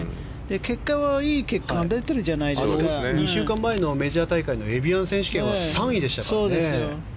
結果も、いい結果が２週間前のメジャー大会のエビアン選手権は３位でしたからね。